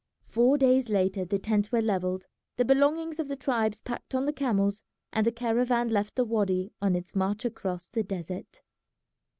Four days later the tents were levelled, the belongings of the tribes packed on the camels, and the caravan left the wady on its march across the desert.